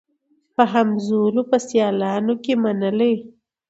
په همزولو په سیالانو کي منلې